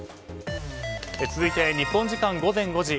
続いて日本時間午前５時。